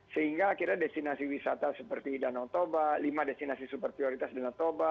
sehingga akhirnya destinasi wisata seperti danau toba lima destinasi super prioritas danau toba